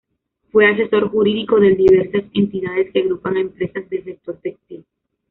Fue asesor jurídico del diversas entidades que agrupan a empresas del sector textil.